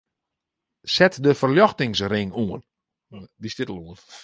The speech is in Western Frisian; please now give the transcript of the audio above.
Set de ferljochtingsring oan.